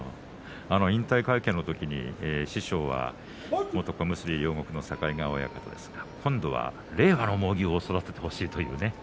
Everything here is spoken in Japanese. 引退会見の時に師匠は元小結両国の境川親方ですが今度は令和の猛牛を育ててほしいというね